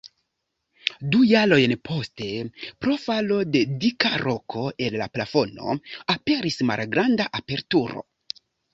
Du jarojn poste, pro falo de dika roko el la plafono, aperis malgranda aperturo.